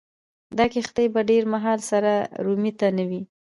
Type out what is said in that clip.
دا کښتۍ په ډېر احتمال سره رومي نه وې